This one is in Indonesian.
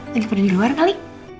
lagi pada di luar kali